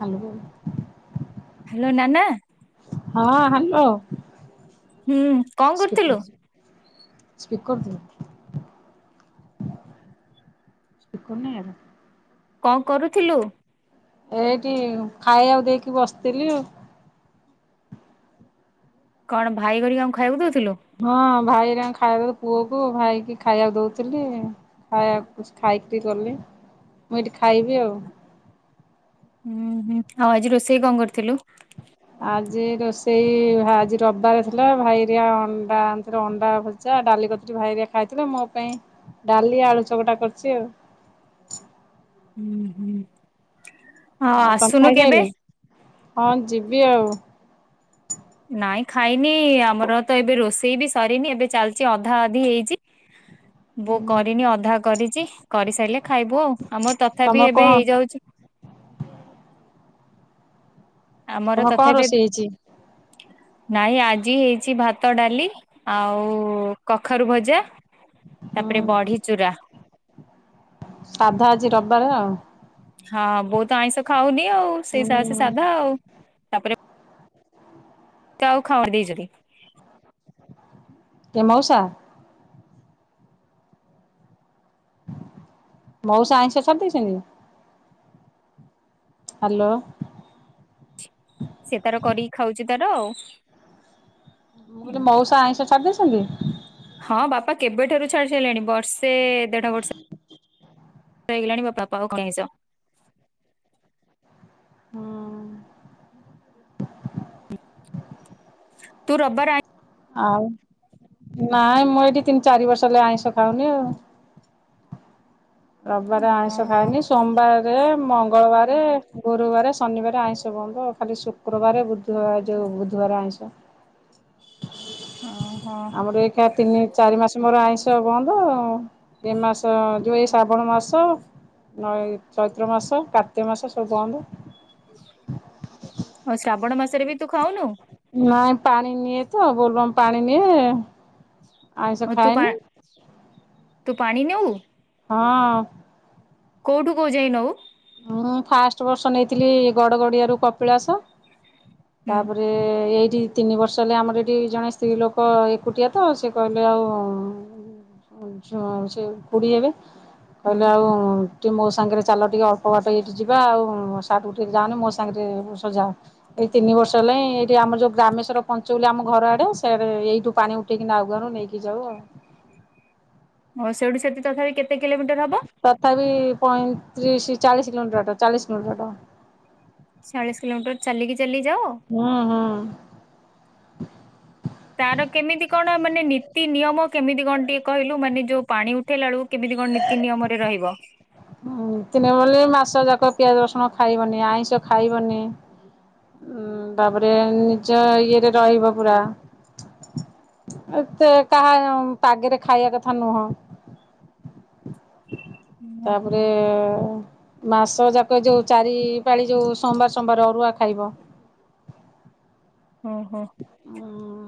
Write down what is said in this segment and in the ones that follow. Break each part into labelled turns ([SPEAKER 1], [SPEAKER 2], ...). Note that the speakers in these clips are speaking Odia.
[SPEAKER 1] ହାଲୋ।
[SPEAKER 2] ହ୍ୟାଲୋ ନାନା।
[SPEAKER 1] ହଁ ହ୍ୟାଲୋ।
[SPEAKER 2] ହୁଁ କଣ
[SPEAKER 1] ସ୍ପିକର
[SPEAKER 2] କରୁଥିଲୁ।
[SPEAKER 1] ଦିଅ [unintelligible]
[SPEAKER 2] କଣ କରୁଥିଲୁ।
[SPEAKER 1] ଏଇଠି ଖାଇବାକୁ ଦେଇକି ବସିଥିଲି ଆଉ।
[SPEAKER 2] କଣ ଭାଇ କରିକାଙ୍କୁ ଖାଇବାକୁ ଦଉ
[SPEAKER 1] ହଁ ଭାଇ ହେରିକାଙ୍କୁ ଖାଇବା ଦଉ ପୁଅକୁ ଭାଇକି ଖାଇବାକୁ ଦୋଉଥିଲି। ଖାଇବାକୁ ଖାଇକିରି ଗଲେ। ମୁଁ ଏଇଠି ଖାଇବି ଆଉ।
[SPEAKER 2] ହୁଁ ହୁଁ ଆଉ ଆଜି ରୋଷେଇ କଣ କରିଥିଲୁ?
[SPEAKER 1] ଆଜି ରୋଷେଇ ଆଜି ରବିବାର ଥିଲା ଭାଇହେରିକା ଅଣ୍ଡା ଆଣିଥିଲ ଅଣ୍ଡା ଭଜା ଡାଲି କତି ଭାଇଆ ଖାଇଥିଲେ ମୋ ପାଇଁ ଡାଲି ଆଳୁ ଚକଟା କରିଛି ଆଉ।
[SPEAKER 2] [inaudible] ହଁ
[SPEAKER 1] ଆଉ ତମେ
[SPEAKER 2] ଆସୁନୁ କେବେ।
[SPEAKER 1] ଖାଇସାଇଲଣି? ହଁ ଯିବି ଆଉ।
[SPEAKER 2] ନାଇଁ ଖାଇନି ଆମର ତ ଏବେ ରୋଷେଇ ବି ସରିନି ଏବେ ଚାଲିଛି ଅଧା ଅଧି ହେଇଛି। [inaudible] ବୋ କରିନି ଅଧା କରିଛି କରିସାରିଲେ ଖାଇବୁ ଆଉ। ଆମର ତଥାପି
[SPEAKER 1] ତମର କଣ
[SPEAKER 2] ଏବେ ହେଇଯାଉଛି। [inaudible] ଆମର
[SPEAKER 1] ତମର କଣ
[SPEAKER 2] ତଥାପି
[SPEAKER 1] ରୋଷେଇ ହେଇଛି।
[SPEAKER 2] ନାଇଁ ଆଜି ହେଇଛି ଭାତ ଡାଲି ଆଉ କଖାରୁ ଭଜା।
[SPEAKER 1] ହୁଁ।
[SPEAKER 2] ତାପରେ ବଢି ଚୂୁରା।
[SPEAKER 1] ସାଧା ଆଜି ରବିବାର ଆଉ।
[SPEAKER 2] ହଁ ବଉତ ଆଇଁଷ ଖାଉନି ଆଉ ସେଇ ସେ ସାଧା ଆଉ। ତାପରେ ଚାଉ ଖାଉଣ ଦେଇ ଯି
[SPEAKER 1] କେ ମଉସା। ମଉସା ଆଇଁଷ ସାରି ଦେଇଛନ୍ତି। ହ୍ୟାଲୋ।
[SPEAKER 2] ସେ ତାର କରିକି ଖାଉଛି ତାର ଆଉ।
[SPEAKER 1] ମୁଁ କହିଲି
[SPEAKER 2] ତି
[SPEAKER 1] ମଉସା ଆଇଁଷ ଛାଡ଼ି ଦେଇଛନ୍ତି?
[SPEAKER 2] ହଁ ବାପା କେବେଠାରୁ ଛାଡି ସାରିଲେଣି। ବର୍ଷେ ଦେଢ ବର୍ଷ ଇଗଲାଣି ବାପା ପାଉ ଆଇଁସ।
[SPEAKER 1] ହଁ।
[SPEAKER 2] ତୁ ରବିବାର ଆଇଁ
[SPEAKER 1] ଆଉ ନାଇଁ ମୁଁ ଏଇଠି ତିନି ଚାରି ବର୍ଷ ହେଲା ଆଇଁଷ ଖାଉନି ଆଉ।
[SPEAKER 2] [inaudible]
[SPEAKER 1] ରବିବାର ଆଇଁଷ
[SPEAKER 2] ଓହୋ
[SPEAKER 1] ଖାଇଏନି ସୋମବାରରେ ମଙ୍ଗଳବାର ରେ ଗୁରୁବାର ଶନିବାର ଆଇଁଷ ବନ୍ଦ ଖାଲି ଶୁକ୍ରବାର ବୁଧବାର ଯୋଉ ବୁଧବାର ଆଇଁଷ।
[SPEAKER 2] [inaudible] ଓହୋ
[SPEAKER 1] ଆମର ଏଇଖା ତିନି ଚାରି ମାସ ମୋର ଆଇଁଷ ବଂଦ ଏ ମାସ ଯୋଉ ଶ୍ରାବଣ ମାସ ନ ଚୈତ୍ର ମାସ କା ର୍ତ୍ତିକ ମାସ ସବୁ ବନ୍ଦ।
[SPEAKER 2] ସେରେ ବି ତୁ ଖାଉନୁ?
[SPEAKER 1] ନାଇଁ ପାଣି ନିଏ ତ ବୋଲବମ୍ ପାଣି ନିଏ ଆଇଁଷ
[SPEAKER 2] ଆଉ ତୁ ପା
[SPEAKER 1] ଖାଏନି।
[SPEAKER 2] ତୁ ପାଣି ନେଉ?
[SPEAKER 1] ହଁ‌।
[SPEAKER 2] କୋଉଠୁ କୋଉ ଯାଇ ନଉ?
[SPEAKER 1] ମୁଁ ଫାଷ୍ଟ ବର୍ଷ ନେଇଥିଲି ଗଡ଼ଗଡ଼ିଆରୁ କପିଳାସ
[SPEAKER 2] ହୁଁ
[SPEAKER 1] ତାପରେ ଏଇ ଏଠି ତିନି ବର୍ଷ ହେଲେ ଆମର ଏଠି ଜଣେ ସ୍ତ୍ରୀ ଲୋକ ଏକୁଟିଆ ତ ସେ କହିଲେ ଆଉ ସେ ଖୁଡ଼ି ହେବେ
[SPEAKER 2] ହୁଁ
[SPEAKER 1] କହିଲେ ଆଉ ଟିକେ ମୋ ସାଙ୍ଗରେ ଚାଲ ଟିକେ ଅ କବାଟ ଏଇଠି ଯିବା ଆଉ ସେଠିକି ଯାନି ମୋ ସାଙ୍ଗରେ ସଜା ଏଇ ତିନି ବର୍ଷ ହେଲାଣିଁ ଏଇଠି ଆମର ଯୋଉ ଗ୍ରାମେଶ୍ଵର ପଞ୍ଚ ବୋଲି ଆମ ଘର ଆଡେ ସେଆଡେ ଏଇଠୁ ପାଣି ଉଠେଇକି ନାଉଗାଁରୁ ନେଇକି ଯାଉ ଆଉ।
[SPEAKER 2] ହ ସେଇଠୁ ସେଠି ତଥାପି କେତେ କିଲୋମିଟର ହବ?
[SPEAKER 1] ପଇଁତିରିଶି ଚାଳିଶ କିଲୋମିଟର ବାଟ ଚାଳିଶ କିଲୋମିଟର ବାଟ।
[SPEAKER 2] ଚାଳିଶ କିଲୋମିଟର ଚାଲି କିି
[SPEAKER 1] ହୁଁ-ହୁଁ।
[SPEAKER 2] ତାର କେମିତି କଣ ମାନେ ନୀତି ନିୟମ କେମିତି କଣ ଟିକେ କହିଲୁ ମାନେ ଯୋଉ ପାଣି ଉ ଉଠେଲା ବେଳକୁ କେମିତି କଣ ନୀତି ନିୟମରେ ରହିବ।
[SPEAKER 1] ହଁ ନିତୀ ନିୟମ ମାସ ଯାକ ପିଆଜ ରସୁଣ ଖାଇବନି ଆଇଁଷ ଖାଇବନି। ଉ ତାପରେ ନିଜ ଇଏରେ ରହିବ ପୁରା ଏତେ କାହା ପାଗରେ ଖାଇବା କଥା ନୁହଁ।
[SPEAKER 2] ଓହୋ
[SPEAKER 1] ତାପରେ ମାସ ଯାକ ଯୋଉ ଚାରି ପାଳି ଯୋଉ ସୋମବାର ସୋମବାର ଅରୁଆ ଖାଇବ।
[SPEAKER 2] ଓ ହୋ।
[SPEAKER 1] ହୁଁ।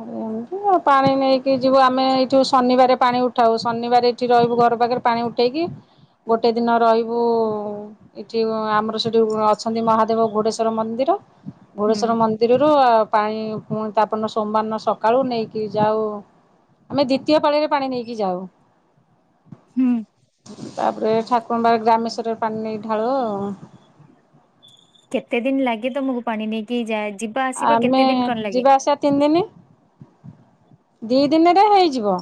[SPEAKER 1] ଆରେ ଏମିତି ଆଉ ପାଣି ନେଇକି ଯିବୁ ଆମେ ଏଇଠିୁ ଶନିବାର ପାଣି ଉଠାଉ ଶନିବାର ଏଇଠି ରହିବୁ ଘର ପାଖରେ ପାଣି ଉଠେଇକି ଗୋଟେ ଦିନ ରହିବୁ ଏଠି ଆମର ସେଠି ଅଛନ୍ତି ମହାଦେବ ଘୁଡେଶ୍ଵର ମନ୍ଦିର
[SPEAKER 2] ହୁଁ
[SPEAKER 1] ଘୁଡେଶ୍ଵର ମନ୍ଦିରରୁ ପାଣି ପୁଣି ତାପର ଦିନ ସୋମବାର ଦିନ ସକାଳୁ ନେଇକି ଯାଉ ଆମେ ଦ୍ଵିତୀୟ ପାଳିରେ ପାଣି ନେଇକି ଯାଉ।
[SPEAKER 2] ହୁଁ।
[SPEAKER 1] ତାପରେ ଠାକୁରଙ୍କ ପାଖେ ଗ୍ରାମେଶ୍ୱରରେ ପାଣି ନେଇକି ଢାଳୁ ଆଉ।
[SPEAKER 2] କେତେ ଦିନ ଲାଗେ ତମକୁ ପାଣି ନେଇକି ଯା ଯିବା ଆସିବା
[SPEAKER 1] ଆମେ
[SPEAKER 2] କେତେ ଦିନ କଣ ଲାଗେ?
[SPEAKER 1] ଯିବା ଆସିବା ତିନି ଦିନ ଦି ଦିନରେ ହେଇଯିବ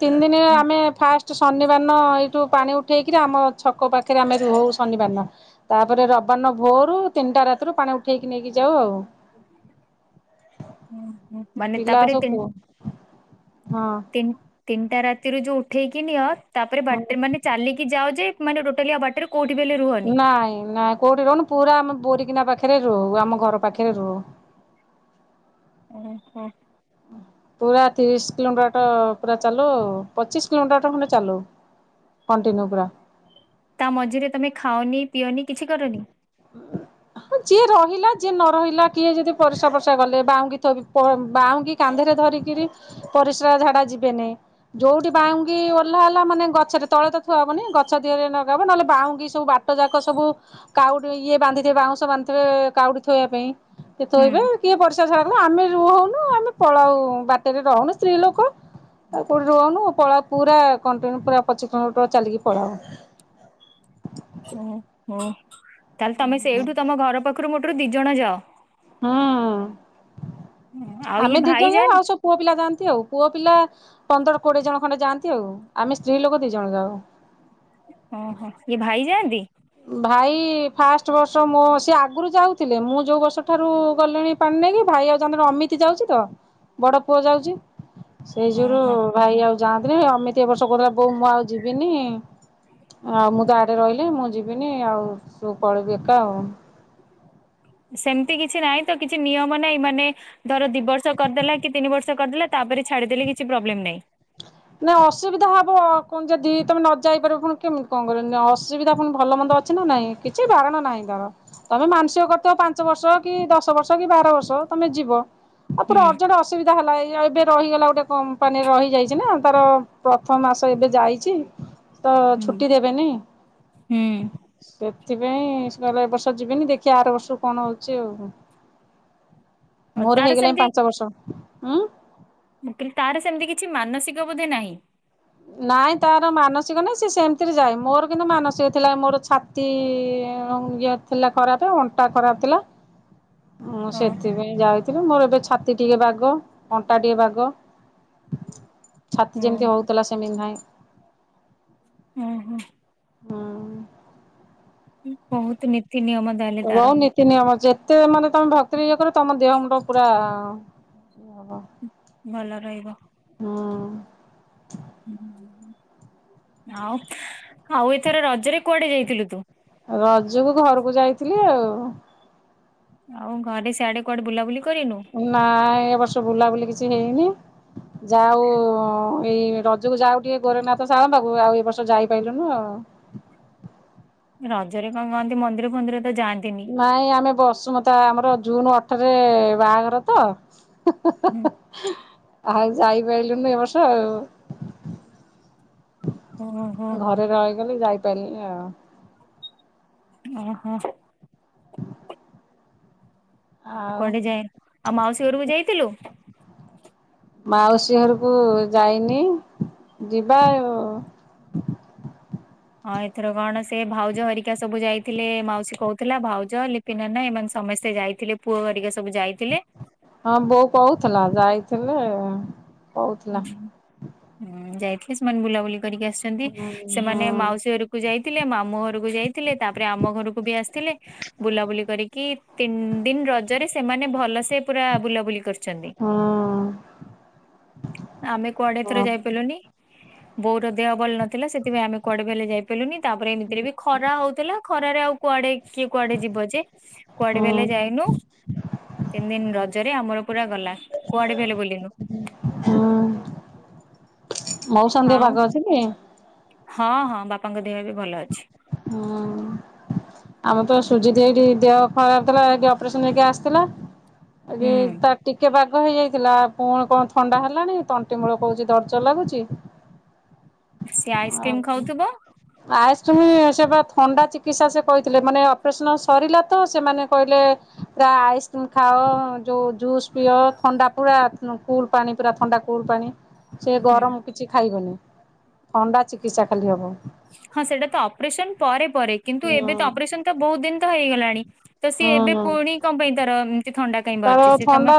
[SPEAKER 1] ତିନି ଦିନରେ ଆମେ ଫାଷ୍ଟ ଶନି ନିବାର ଏଇଠୁ ପାଣି ଉଠେଇକ ଆମ ଛକ ପାଖରେ ଆମେ ରହୁ ଶନିବାରନ ତାପରେ ରବିବାରନ ଭୋରୁ ତିନିଟା ରାତିରୁ ପାଣି ଉଠେଇକି ନେଇକି ଯାଉ ଆଉ।
[SPEAKER 2] ହୁଁ। ମାନେ
[SPEAKER 1] ପିଲା
[SPEAKER 2] ତାପରେ
[SPEAKER 1] ସବୁ
[SPEAKER 2] ତିନ
[SPEAKER 1] ପୁଅ ହଁ
[SPEAKER 2] ତିନ ତିନଟା ରାତିରୁ ଯୋଉ ଉଠେଇକି ନିଅ, ତାପରେ
[SPEAKER 1] ହଁ
[SPEAKER 2] ବାଟରେ ମାନେ ଚାଲିକି ଯାଅ ଯେ ମାନେ ଟୋଟାଲି ଆଉ ବାଟରେ କୋଉଠି ବି ହେଲେ ରୁହନି।
[SPEAKER 1] ନାଇଁ ନାଇଁ କୋଉଠି ରହୁନୁ, ପୁରା ଆମେ ବୋରିକିନା ପାଖରେ ପାଖରେ ରହୁ, ଆମ ଘର ପାଖରେ ରହୁ।
[SPEAKER 2] ଓହୋ।
[SPEAKER 1] ପୁରା ତିରିଶ କିଲୋମିଟର ବାଟ ପୁରା ଚାଲଉ ଆଉ। ପଚିଶ କିଲୋମିଟର ବାଟ ଖଣ୍ଡେ ଚାଲଉ କଣ୍ଟିନ୍ୟୁ ପୁରା।
[SPEAKER 2] ତା ମଝିରେ ତମେ ଖାଅନି ପିଅନି କିଛି କରନି?
[SPEAKER 1] ହଁ ଯିଏ ରହିଲା ଯିଏ ନ ରହିଲା, କିଏ ଯଦି ପରିସ୍ରା ଫରିଶ୍ରା ଗଲେ, ବାଉଙ୍ଗି ଥୋଇବି ବାଉଙ୍ଗି କାନ୍ଧରେ ଧରିକିରି ପରିସ୍ରା ଝାଡା ଯିବେନେଇ, ଯୋଉଠି ବାଉଙ୍ଗି ଓହ୍ଲାହେଲା ମାନେ ଗଛରେ ତଳେ ତ ଥୁଆ ହେବନି ଗଛ ଧିହରେ ନଗାହବ, ନହେଲେ ବାଉଁଙ୍ଗି ସବୁ ବାଟ ଯାକ ସବୁ କାଉଡି ଇଏ ବାନ୍ଧିଥିବେ ବାଉଁସ ବ ବାନ୍ଧିଥିବେ କାଉଡି ଥୋଇଆ ପାଇଁ, କିଏ
[SPEAKER 2] ହୁଁ।
[SPEAKER 1] ଥୋଇବେ କିଏ ପରିସ୍ରା ବାଟସାରା ଆମେ ରୁହଉନୁ ଆମେ ପଳାଉ ବାଟରେ ରହଉନୁ ସ୍ତ୍ରୀ ଲୋକ ଆଉ କୋଉଠି ରୁହଉନୁ ପଳାଉ ପୁରା କଣ୍ଟିନ୍ୟୁ ପୁରା ପଚିଶି କିଲୋମିଟର ଚାଲିକି ପଳାଉ।
[SPEAKER 2] ହୁଁ ହୁଁ ତାହେଲେ ତମେ ସେଇଠୁ ତମ ଘର ପାଖରୁ ମୋଟୁରୁ ଦିଜଣ ଯାଅ?
[SPEAKER 1] ହୁଁ।
[SPEAKER 2] ଆଉ ଇଏ
[SPEAKER 1] ଆମେ
[SPEAKER 2] ଭାଇ
[SPEAKER 1] ଦିଜଣ ଯାଉ
[SPEAKER 2] ଯାଆନ୍ତି
[SPEAKER 1] ଆଉ ସବୁ ପୁଅ ପିଲା ଯାଆନ୍ତି ଆଉ। ପୁଅ ପିଲା ପନ୍ଦର କୋଡିଏ ଜଣ ଖଣ୍ଡେ ଯାଆନ୍ତି ଆଉ। ଆମେ ସ୍ତ୍ରୀ ଲୋକ ଦି ଜଣ ଯାଉ।
[SPEAKER 2] ଓହୋ ଇଏ ଭାଇ ଯାଆନ୍ତି?
[SPEAKER 1] ଭାଇ ଫାଷ୍ଟ ବର୍ଷ ମୋ ସିଏ ଆଗରୁ ଯାଉଥିଲେ, ମୁଁ ଯୋଉ ବର୍ଷ ଠାରୁ ଗଲିଣି ପାନ୍ ଣି ନେଇକି, ଭାଇ ଯାଉଚନ୍ତି ଅମିତି ଯାଉଚି ତ, ବଡ ପୁଅ ଯାଉଚି ସେଇ ଯୁୁଗୁରୁ
[SPEAKER 2] ଓହୋ।
[SPEAKER 1] ଭାଇ ଆଉ ଯାଆନ୍ତିନେଇ ଅମିତି ଏଇ ବର୍ଷ କଉଥିଲା ବୋଉ ମୁଁ ଆଉ ଯିବିନି, ଆ ମୁଁ ତ ଆଡେ ରହିଲେଇ ମୁଁ ଯିବି ଯିବିନି ଆଉ ତୁ ପଳେଇବୁ ଏକା ଆଉ।
[SPEAKER 2] ସେମତି କିଛି ନାହିଁ ତ କିଛି ନିୟମ ନାଇଁ ମାନେ ଧର ଦି ବର୍ଷ କରିଦେଲା କି ତିନି ବର୍ଷ କରିଦେଲା ତାପରେ ଛାଡ଼ିଦେଲେ କିଛି ପ୍ରୋବ୍ଲେମ ନାଇଁ।
[SPEAKER 1] ନାଇଁ ଅସୁବିଧା ହବ କଣ ଯଦି ତମେ ନ ଯାଇପାରିବ ପୁଣି କେମିତି କଣ କରିବ? ଅସୁବିଧା ପୁଣି ଭଲ ମନ୍ଦ ଅଛି ନା ନାଇଁ କିଛି ବାରଣ ନାହିଁ ତାର। ତମେ ମାନସିକ କରିଥିବ ପାଞ୍ଚ ବର୍ଷ କି ଦଶ ବର୍ଷ କି ବାର ବର୍ଷ ତମେ ଯିବ ଆଉ ପୁରା
[SPEAKER 2] ହୁଁ
[SPEAKER 1] ଅରଜେଣ୍ଟ ଅସୁବିଧା ହେଲା ଏଇ ଏବେ ରହିଗଲା ଗୋଟେ କମ୍ପାନୀରେ ରହିଯାଇ ଚି ନା ତାର ପ୍ରଥମ ମାସ ଏବେ ଯାଇଚି ତ
[SPEAKER 2] ହୁଁ
[SPEAKER 1] ଛୁଟି ଦେବେନି,
[SPEAKER 2] ହୁଁ
[SPEAKER 1] ସେ ସେଥିପାଇଁ ସିଏ କହିଲା ଏ ବର୍ଷ ଯିବିନି ଦେଖିଆ ଆର ବର୍ଷରୁ କଣ ହଉଛି ଆଉ?
[SPEAKER 2] ଆଉ
[SPEAKER 1] ମୋର
[SPEAKER 2] ତାର
[SPEAKER 1] ହେଇଗଲାଇଁ ପାଞ୍ଚ ବର୍ଷ। ଉଁ
[SPEAKER 2] କିନ୍ତୁ ତାର ସେମତି କିଛି ମାନସିକ ବୋଧେ ନାହିଁ।
[SPEAKER 1] ନାଇଁ ତାର ମାନସିକ ନାହିଁ ସେ ସେମିତିରେ ଯାଏ ମୋର କିନ୍ତୁ ମାନସିକ ଥିଲା। ମୋର ଛାତି ଇଏ ଥିଲା ଖରାପ, ଅଣ୍ଟା ଖରାପ ଥିଲା
[SPEAKER 2] ହଁ
[SPEAKER 1] ମୁଁ ସେଥିପାଇଁ ଯାଇଥିଲି ମୋର ଏବେ ଛ ଛାତି ଟିକେ ବାଗ, ଅଣ୍ଟା ଟିକେ ବାଗ, ଛାତି ଯେମତି
[SPEAKER 2] ଓହୋ
[SPEAKER 1] ହଉ ଆ ସେମି ନାହିଁ।
[SPEAKER 2] ହୁଁ ହୁଁ।
[SPEAKER 1] ହଁ।
[SPEAKER 2] ବହୁତ ନି
[SPEAKER 1] ବହୁତ ନୀତି ନିୟମ ଅଛି। ଯେତେ ମାନେ ତମେ ଭକ୍ତିରେ ଇଏ କରିବ ତମ ଦେହ ପୁରା
[SPEAKER 2] ଭଲ ରହିବ।
[SPEAKER 1] ହଁ।
[SPEAKER 2] ଆଉ ଆଉ ଏଥର ରଜରେ କୁଆଡେ ଯାଇଥିଲୁ ତୁ?
[SPEAKER 1] ରଜକୁ ଘରକୁ ଯାଇଥିଲି ଆଉ।
[SPEAKER 2] ଆଉ ଘରେ ସଆଡେ କୁଆଡେ ବୁଲାବୁଲି କରିନୁ?
[SPEAKER 1] ନାଇଁ ଏ ବର୍ଷ ବୁଲାବୁଲି କିଛି ହେଇନି
[SPEAKER 2] ହ
[SPEAKER 1] ଯାଉ ଏଇ ରଜକୁ ଯାଉ ଟିକେ ଗୋରେନାଥ ସାଳ ପାକୁ ଆଉ ଏ ବର୍ଷ ଯାଇପାରଲୁନୁ ଆଉ।
[SPEAKER 2] [inaudible] ରଜରେ କଣ କୁହନ୍ତି ମନ୍ଦିର ମନ୍ଦିର
[SPEAKER 1] ନାଇଁ ଆମେ ବସୁ ମ ତ ଆମର ଜୁନ ଅଠରେ ବାହାଘର ତ
[SPEAKER 2] ହୁଁ
[SPEAKER 1] [unintelligible] ଆଉ ଯାଇ ପାରିଲୁନୁ ଏ ବର୍ଷ ଆଉ।
[SPEAKER 2] ଓହୋ
[SPEAKER 1] ଘରେ ରହିଗଲେ ଯାଇପାରିଲି ଆଉ।
[SPEAKER 2] ଓ ହୋ।
[SPEAKER 1] ଆଉ
[SPEAKER 2] କୁଡେ ଯାଇଏ ଆଉ ମାଉସୀ ଘରକୁ ଯାଇଥିଲୁ?
[SPEAKER 1] ମାଉସୀ ଘରକୁ ଯାଇନି। ଯିବା ଆ ଓ
[SPEAKER 2] ହଁ ଏଥର କଣ ସେ ଭାଉଜ ହରିକା ସବୁ ଯାଇଥିଲେ ମାଉସୀ କହୁଥିଲା ଭାଉଜ ଲିପି ନାନା ଏମାନେ ସବୁ ସମସ୍ତେ ଯାଇଥିଲେ ପୁଅ ଗରିକା
[SPEAKER 1] ହଁ ବୋଉ କହୁଥିଲା ଯାଇଥିଲେ। କହୁଥିଲା।
[SPEAKER 2] ହୁଁଁ ଯାଇଥିଲି ସେ ମାନେ ବୁଲାବୁଲି କରିକି ଆସିଛନ୍ତି
[SPEAKER 1] ହୁଁ
[SPEAKER 2] ସେମାନେ
[SPEAKER 1] ହଁ
[SPEAKER 2] ମାଉସୀ ଘରକୁ ଯାଇଥିଲେ ମାମୁଁ ଘରକୁ ଯାଇଥିଲେ ତାପରେ ଆମ ଘରକୁ ବି ଆସିଥିଲେ। ବୁଲାବୁଲି କରିକି ତିନି ଦିନ ରଜରେ ସେମାନେ ଭଲ ସେ ପୁରା ବୁଲାବୁଲି କରିଛନ୍ତି। [inaudible]
[SPEAKER 1] ହଁ
[SPEAKER 2] ଆମେ କୁଆଡେ ଥରେ ଯାଇପାରିଲୁନି ବୋଉର ଦେହ ଭଲ ନ ଥିଲା ସେଥିପାଇଁ ଆମେ କୁଆଡେ ବଲେ ଯାଇ ପାରିଲୁି ତାପରେ ଏମିତିରେ ବି ଖରା ହଉଥିଲା ଖରାରେ ଆଉ କୁଆଡେ କିଏ କୁଆଡେ ଯିବ ଯେ କୁଆଡେ ବେଲେ
[SPEAKER 1] ହଁ
[SPEAKER 2] ଯାଇନୁ ତିନି ଦିନ ରଜରେ ଆମର ପୁରା ଗଲା କୁଆଡେ ବି ହେଲେ ବୁଲିନୁ।
[SPEAKER 1] ମଉଶା ଙ୍କ ଦେହ
[SPEAKER 2] ଆଉ
[SPEAKER 1] ବାଗ ଅଛି ଟି?
[SPEAKER 2] ହଁ ହଁ ବାପାଙ୍କ ଦେହ ବି ଭଲ ଅଛି
[SPEAKER 1] ହୁଁ ଆମେ ତ ସୁଜିତ ଏଇଠି ଦେହ ଖରାପ ଥିଲା ଅପରେସନ ହେଇକି ଆସିଥିଲା ଏଠି
[SPEAKER 2] ହୁଁ
[SPEAKER 1] ତା ଟିକେ ବା ହେଇଯାଇଥିଲା ପୁଣି କଣ ଥଣ୍ଡା ହେଲାଣି ତଣ୍ଟିମୂଳ କହୁଛି ଦର୍ଜ ଲାଗୁଛି।
[SPEAKER 2] ସି
[SPEAKER 1] ଆଉ
[SPEAKER 2] ଆଇସ୍କ୍ରିମ୍ ଖାଉଥିବ।
[SPEAKER 1] ଆଇସ୍କ୍ରିମ ସେ ବା ଥଣ୍ଡା ଚିକିତ୍ସା ସେ କହିଥିଲେ ମାନେ ଅପରେସନ୍ ସରିଲା ତ ସେମାନେ କହିଲେ ପୁରା ଆଇସ୍କ୍ରିମ ଖାଅ ଯୋଉ ଜୁସ ପିଅ ଥଣ୍ଡା ପୁରା କୁଲ ପାଣି ପୁରା ଥଣ୍ଡା କ ପାଣି ସେ
[SPEAKER 2] ହୁଁ
[SPEAKER 1] ଗରମ କିଛି ଖାଇବନି ଥଣ୍ଡା ଚିକିତ୍ସା ଖାଲି ହବ।
[SPEAKER 2] ହଁ ସେଇଟା ତ ଅପରେସନ ପରେ ପରେ କିନ୍ତୁ ଏବେ ତ
[SPEAKER 1] ହୁଁ।
[SPEAKER 2] ଅପରେସନ ତ ବହୁତ ଦିନ ତ ହେଇଗଲାଣି। ତ ସିଏ ଏବେ
[SPEAKER 1] ହୁଁ।
[SPEAKER 2] ପୁଣି କଣ ପାଇଁ ତର ଏମତି ଥଣ୍ଡା କାଇଁ
[SPEAKER 1] ତାର
[SPEAKER 2] ବାହାରୁଛି ସି ତମେ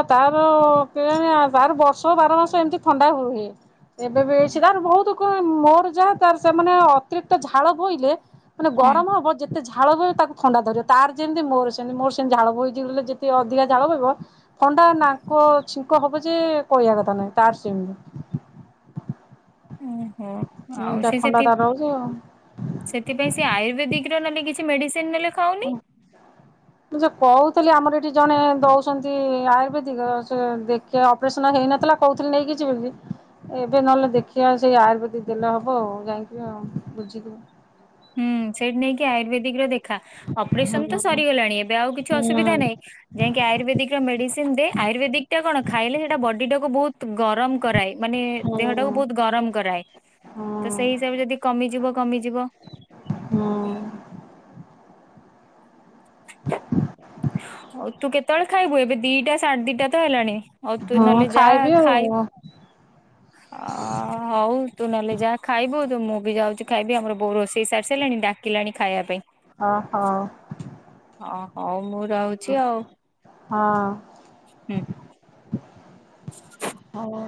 [SPEAKER 1] ବାର ବର୍ଷ ବାର ମାସ ଏମିତି ଥଣ୍ଡା ହ ରୁହେ। ଏବେ ବି ସେ ତାର ବହୁତ ମୋର ଯାହା ତାର ସେମାନେ ଅତିରିକ୍ତ ଝାଳ ବୋଇଲେ ମାନେ
[SPEAKER 2] ହୁଁ
[SPEAKER 1] ଗରମ ହବ ଯେତେ ଝାଳ ହ ତାକୁ ଥଣ୍ଡା ଧରିବ ତାର ଯେମିତି ମୋର ସେ ମୋର ସେତି ଝାଳ ବୋହିଛିଲେ ଯେଦି ଅଧିକା ଝାଳ ବହିବ ଥଣ୍ଡା ନାକ ଛିଙ୍କ ହବ ଯେ ସେ କହିବା କଥା ନାଇଁ ତାର ସେମିତି।
[SPEAKER 2] ଓହୋ ଆଉ
[SPEAKER 1] ଏମିତିଆ
[SPEAKER 2] ସେ
[SPEAKER 1] ଥଣ୍ଡା
[SPEAKER 2] ସେ
[SPEAKER 1] ତାର ରହୁଛି ଆଉ।
[SPEAKER 2] ସେଥିପାଇଁ ସେ ଆୟୁର୍ବେଦିକ ନେଲେ କିଛି ମେଡିସିନ ନେଲେ ଖାଉନି
[SPEAKER 1] ମୁ ଯ କହୁ ଆମର ଏଠି ଜଣେ ଦଉଛନ୍ତି ଆୟୁର୍ବେଦିକ ସେ ଦେଖ ଅପରେସନ ହେଇନଥିଲା କହୁଥିଲି ନେଇକି ଛି ବୋଲି ଏବେ ନହେଲେ ଦେଖିବା ସେଇ ଆୟୁର୍ବେଦିକ ଦେଲେ ହବ ଆଉ ଯାଇଥିବ ଆଉ ବୁଝଥିବ।
[SPEAKER 2] ହୁଁ ସେଇଠି ନେଇକି ଆୟୁର୍ବେଦିକ ର ଦେଖା।
[SPEAKER 1] ହଁ
[SPEAKER 2] ଅପରେସନ ତ
[SPEAKER 1] ହଁ
[SPEAKER 2] ସରିଗଲାଣି ଏବେ ଆଉ କିଛି ଅସୁବିଧା ନାହିଁ ଯାଇକି ଆୟୁର୍ବେଦିକ ର ମେଡିସିନ ଦେ ଆୟୁର୍ବେଦିକ ଟା କଣ ଖାଇଲେ ସେଇଟା ବୋଡୁଟା କୁ ବହୁତ ଗରମ କରାଏ। ମାନେ
[SPEAKER 1] ହଁ।
[SPEAKER 2] ଦେହଟାକୁ ବହୁତ ଗରମ କରାଏ
[SPEAKER 1] ହଁ
[SPEAKER 2] ତ ସେଇ ହିସାବରେ ଯଦି କମିଯିବ କମିଯିବ।
[SPEAKER 1] ହଁ,
[SPEAKER 2] ଆଉ ତୁ କେତେବେଳେ ଖାଇବୁ ଏବେ ଦିଟା ସାଢେ ଦିଟା ତ ହେଲାଣି ଆଉ ତୁ
[SPEAKER 1] ହଁ ହଁ
[SPEAKER 2] ନହେଲେ ଯା
[SPEAKER 1] ଖାଇବି ଆଉ
[SPEAKER 2] ଖାଇ ଅ ହଉ ତୁ ନହେଲେ ଯା ଖାଇବୁ ତ ମୁଁ ବି ଯାଉଛି ଖାଇବି ଆମର ବୋଉ ରୋଷେଇ ସାରି ସାଇଲାଣି ଡାକିଲାଣି ଖାଇବା ପାଇଁ।
[SPEAKER 1] ହ ହଉ
[SPEAKER 2] ହଁ ହଉ ମୁଁ ରହୁଛି ଆଉ
[SPEAKER 1] ହଁ,
[SPEAKER 2] ହୁଁ।
[SPEAKER 1] ହଉ।